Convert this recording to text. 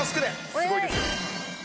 すごいですよ。